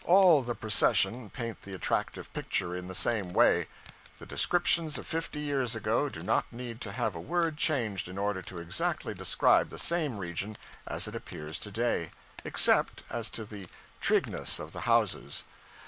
All the procession paint the attractive picture in the same way. The descriptions of fifty years ago do not need to have a word changed in order to exactly describe the same region as it appears to day except as to the 'trigness' of the houses.